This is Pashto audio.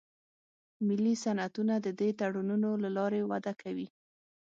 ملي صنعتونه د دې تړونونو له لارې وده کوي